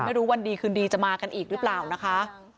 วันดีคืนดีจะมากันอีกหรือเปล่านะคะ